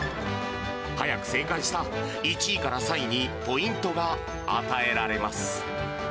速く正解した１位から３位に、ポイントが与えられます。